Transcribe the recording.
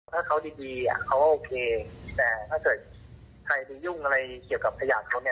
ถ้าเขาดีเขาก็โอเคแต่ถ้าเกิดใครไปยุ่งอะไรเกี่ยวกับขยะเขาเนี่ย